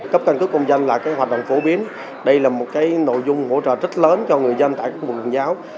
cấp căn cước công dân là hoạt động phổ biến đây là một nội dung hỗ trợ rất lớn cho người dân tại các vùng giáo